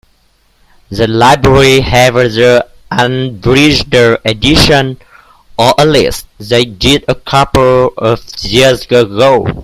The library have the unabridged edition, or at least they did a couple of years ago.